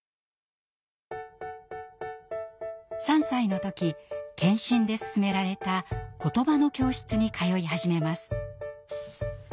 ３歳の時検診で勧められた「ことばの教室」に通い始めます。